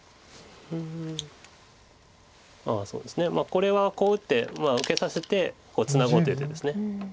これはこう打って受けさせてツナごうという手です。